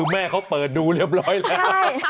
แม่เขาเปิดดูเรียบร้อยแล้ว